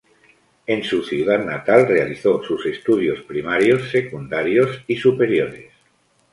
En su ciudad natal realizó sus estudios primarios, secundarios y superiores.